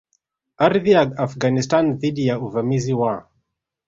Ardhi ya Afghanistan dhidi ya uvamizi wa